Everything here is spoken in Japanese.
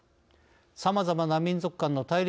さまざまな民族間の対立